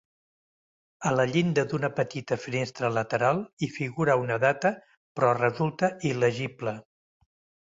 A la llinda d'una petita finestra lateral hi figura una data però resulta il·legible.